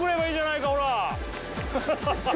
ハハハハ！